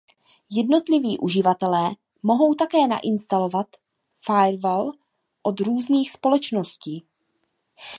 Jednotliví uživatelé mohou také nainstalovat firewall od různých společností.